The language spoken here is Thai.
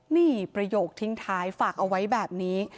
นี่ประโยคทิ้งท้ายฝากเอาไว้แบบนี้